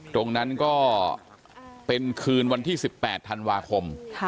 ตรงนั้นก็เป็นคืนวันที่๑๘ธันวาคม